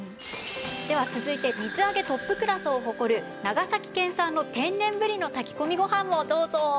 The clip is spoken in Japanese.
では続いて水揚げトップクラスを誇る長崎県産の天然ぶりの炊き込みご飯をどうぞ。